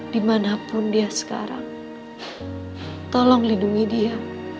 dimanapun dia sekarang tolong lindungi dia